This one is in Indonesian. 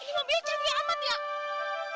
ini mobilnya cantik amat ya